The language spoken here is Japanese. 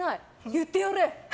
言ってやれ！